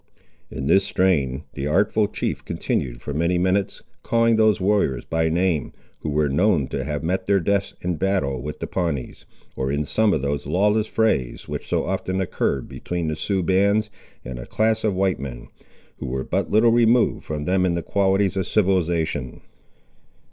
In this strain the artful chief continued for many minutes, calling those warriors by name, who were known to have met their deaths in battle with the Pawnees, or in some of those lawless frays which so often occurred between the Sioux bands and a class of white men, who were but little removed from them in the qualities of civilisation.